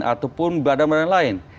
ataupun badan badan lain